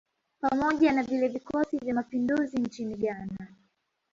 Pamoja na vile vikosi vya mapinduzi nchini Ghana